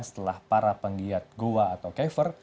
setelah para penggiat goa atau kever